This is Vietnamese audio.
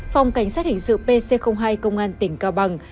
phòng cảnh sát hình sự pc hai công an tỉnh cao bằng